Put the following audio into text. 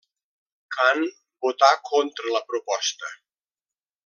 Kan votà contra la proposta.